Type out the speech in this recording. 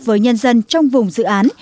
với nhân dân trong vùng dự án